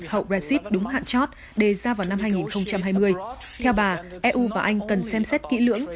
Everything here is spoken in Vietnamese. hậu brexit đúng hạn chót đề ra vào năm hai nghìn hai mươi theo bà eu và anh cần xem xét kỹ lưỡng